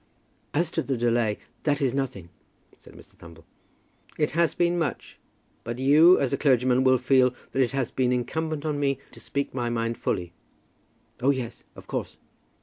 "As to the delay, that is nothing," said Mr. Thumble. "It has been much; but you as a clergyman will feel that it has been incumbent on me to speak my mind fully." "Oh, yes; of course."